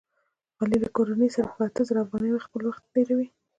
علي له خپلې کورنۍ سره په اته زره افغانۍ خپل وخت تېروي.